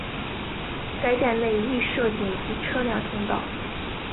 该站内亦设紧急车辆通道。